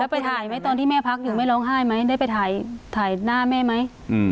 ไปถ่ายไหมตอนที่แม่พักอยู่แม่ร้องไห้ไหมได้ไปถ่ายหน้าแม่ไหม